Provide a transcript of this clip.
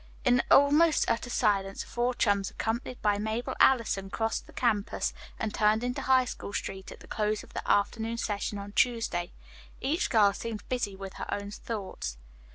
In almost utter silence the four chums, accompanied by Mabel Allison, crossed the campus and turned into High School Street at the close of the afternoon session on Tuesday. Each girl seemed busy with her own thoughts.